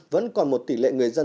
vẫn còn một tỷ lệ người dân